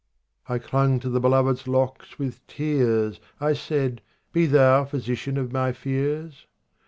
51 I clung to the beloved's locks with tears ; I said, " Be thou physician of my fears